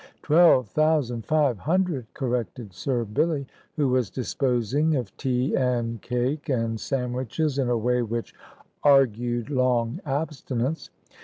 "Twelve thousand five hundred," corrected Sir Billy, who was disposing of tea and cake and sandwiches in a way which argued long abstinence.